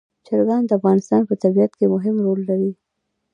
چرګان د افغانستان په طبیعت کې مهم رول لري.